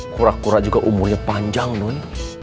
kura kura juga umurnya panjang dong